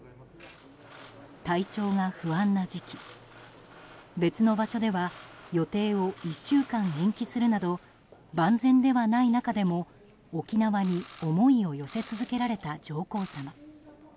体調が不安な時期別の場所では予定を１週間延期するなど万全ではない中でも、沖縄に思いを寄せ続けられた上皇さま。